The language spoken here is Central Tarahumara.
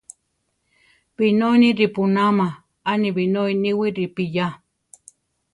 Binói ni ripúnama, a ni binói níwi ripiyá.